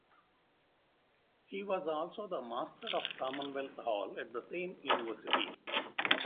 He was also the Master of Commonwealth Hall at the same university.